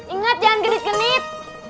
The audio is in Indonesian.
ingat jangan genit genit